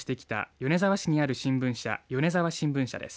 米沢市にある新聞社米澤新聞です。